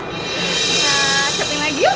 kita cut in lagi yuk